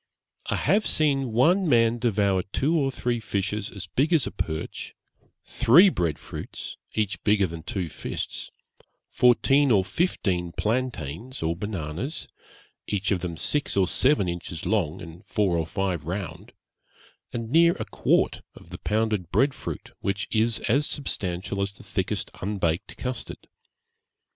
I have seen one man devour two or three fishes as big as a perch; three bread fruits, each bigger than two fists; fourteen or fifteen plantains or bananas, each of them six or seven inches long, and four or five round; and near a quart of the pounded bread fruit, which is as substantial as the thickest unbaked custard.